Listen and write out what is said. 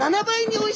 ７倍！